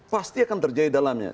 pasti akan terjadi dalamnya